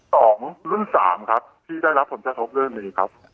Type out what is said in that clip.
ที่ได้รับผลชะทบเรื่องนี้ครับ